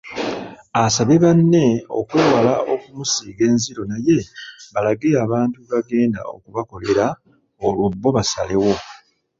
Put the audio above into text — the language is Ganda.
Asabye banne okwewala okumusiiga enziro naye balage abantu bye bagenda okubakolera olwo bo basalewo.